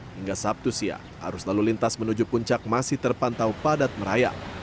hingga sabtu siang arus lalu lintas menuju puncak masih terpantau padat merayap